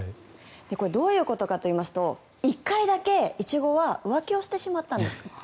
これどういうことかといいますと１回だけイチゴは浮気をしてしまったんです。